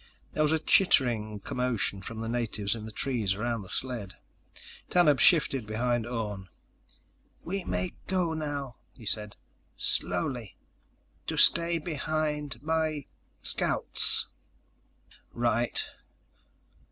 There was a chittering commotion from the natives in the trees around the sled. Tanub shifted behind Orne. "We may go now," he said. "Slowly ... to stay behind my ... scouts." "Right."